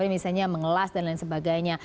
misalnya mengelas dan lain sebagainya